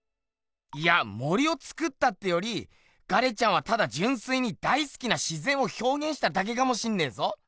いや森をつくったってよりガレちゃんはただじゅんすいに大すきな自ぜんをひょうげんしただけかもしんねえぞ。